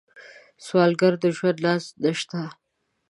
سوالګر د ژوند ناز نشته